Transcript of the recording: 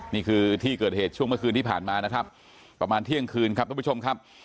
นี่คือที่เกิดเหตุช่วงเมื่อคืนที่ผ่านมานะครับประมาณเที่ยงคืนครับทุกผู้ชมครับ